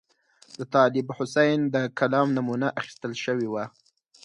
د طالب حسین د کلام نمونه اخیستل شوې وه.